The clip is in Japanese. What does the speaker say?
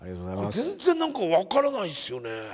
全然なんか分からないっすよね。